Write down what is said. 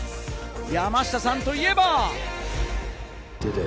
山下さんといえば。